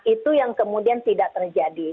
itu yang kemudian tidak terjadi